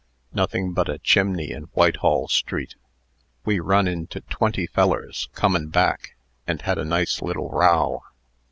Nothing but a chimney in Whitehall street. We run into Twenty's fellers, comin' back, and had a nice little row.